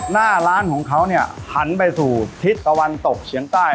หน้าร้านของเขาเนี่ยหันไปสู่ทิศตะวันตกเฉียงใต้